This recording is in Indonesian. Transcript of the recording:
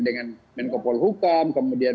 dengan menkopol hukum kemudian